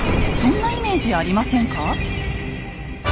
そんなイメージありませんか？